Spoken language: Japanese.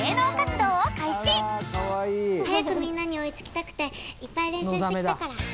「みんなに追い付きたくていっぱい練習してきたから」